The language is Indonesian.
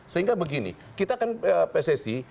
sehingga begini kita kan pssi